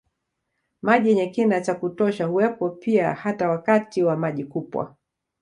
Maji yenye kina cha kutosha huwepo pia hata wakati wa maji kupwa